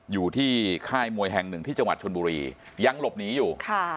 อยู่ที่ค่ายมวยแห่งหนึ่งที่จังหวัดชนบุรียังหลบหนีอยู่